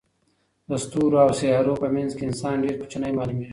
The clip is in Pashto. د ستورو او سیارو په منځ کې انسان ډېر کوچنی معلومېږي.